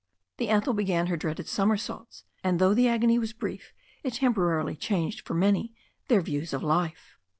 The Ethel began her dreaded somersaults, and though the agony was brief it temporarily changed for many their views of life.